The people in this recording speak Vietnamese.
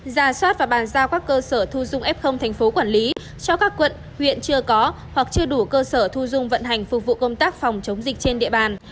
giả soát và bàn giao các cơ sở thu dung f thành phố quản lý cho các quận huyện chưa có hoặc chưa đủ cơ sở thu dung vận hành phục vụ công tác phòng chống dịch trên địa bàn